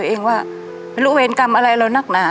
บางทีป้าก็คิดน้อยใจตัวเองว่าไม่รู้เวรกรรมอะไรเรานักหนา